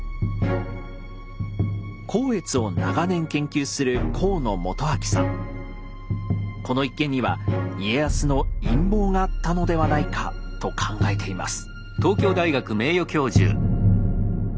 光悦を長年研究するこの一件には家康の陰謀があったのではないかと考えています。